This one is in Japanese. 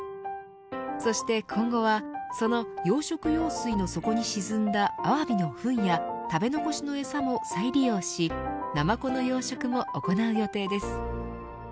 そして今後はその養殖用水の底に沈んだアワビのふんや食べ残しの餌も再利用しナマコの養殖も行う予定です。